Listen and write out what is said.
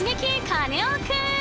カネオくん！